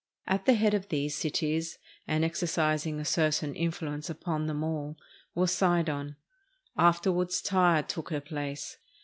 At the head of these cities, and exercising a certain influence upon them all, was Sidon. Afterwards Tyre took her place.